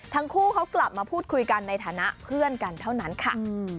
ทั้งคู่เขากลับมาพูดคุยกันในฐานะเพื่อนกันเท่านั้นค่ะ